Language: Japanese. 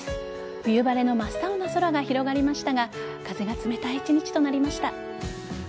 冬晴れの真っ青な空が広がりましたが風が冷たい１日となりました。